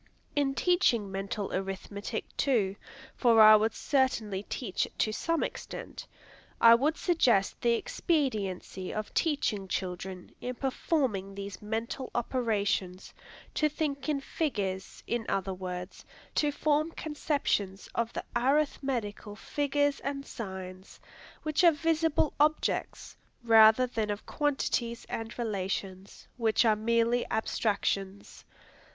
In teaching mental arithmetic, too, for I would certainly teach it to some extent, I would suggest the expediency of teaching children, in performing these mental operations, to think in figures, in other words, to form conceptions of the arithmetical figures and signs, which are visible objects, rather than of quantities and relations, which are mere abstractions.